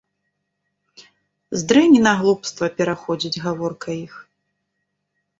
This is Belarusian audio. З дрэні на глупства пераходзіць гаворка іх.